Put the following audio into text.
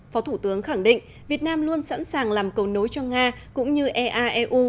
phó thủ tướng khẳng định việt nam luôn sẵn sàng làm cầu nối cho nga cũng như eaeu